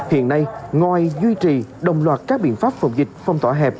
hiện nay ngoài duy trì đồng loạt các biện pháp phòng dịch phong tỏa hẹp